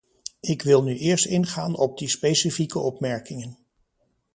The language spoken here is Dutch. Ik wil nu eerst ingaan op die specifieke opmerkingen.